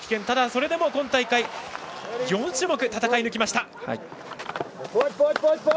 ただ、それでも今大会４種目、戦い抜きました。